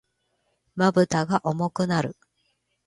瞼が重くなる。